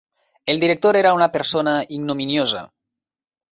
El director era una persona ignominiosa.